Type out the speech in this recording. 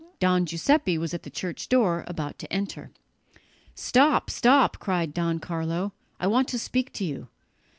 Don Giuseppe was at the church door, about to enter. "Stop, stop," cried Don Carlo, "I want to speak to you."